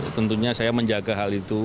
tentunya saya menjaga hal itu